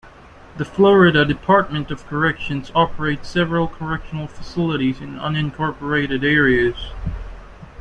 The Florida Department of Corrections operates several correctional facilities in unincorporated areas.